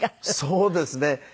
そうですね。